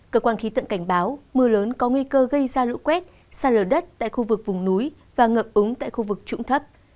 cơ quan khí tượng cảnh báo mưa lớn có nguy cơ gây ra lũ quét xa lở đất tại khu vực vùng núi và ngập úng tại khu vực trũng thấp